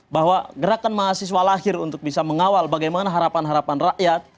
bahwa gerakan mahasiswa lahir untuk bisa mengawal bagaimana harapan harapan rakyat